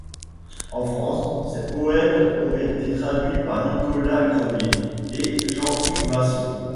En France, ses poèmes ont été traduits par Nicolas Grenier et Jean-Yves Masson.